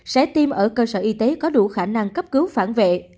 sẽ tiêm ở cơ sở y tế có đủ khả năng cấp cứu phản vệ